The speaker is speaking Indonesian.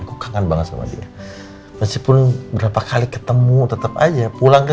aku kangen banget sama dia meskipun berapa kali ketemu tetap aja pulang ke